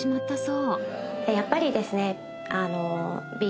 やっぱりですね。